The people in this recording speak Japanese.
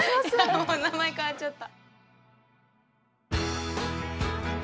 もう名前変わっちゃった。